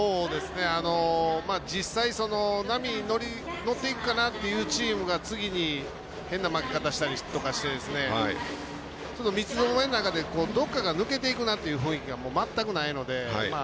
実際、波に乗っていくかなというチームが次に変な負け方したりとかしてちょっと三つどもえの中でどこかが抜けていくなという雰囲気が全くないので。